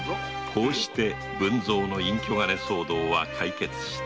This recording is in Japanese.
こうして文造の隠居金騒動は解決した。